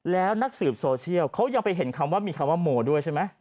แล้วนักสืบโซเชียลเขายังไปเห็นคำว่ามีคำว่าโมด้วยใช่ไหม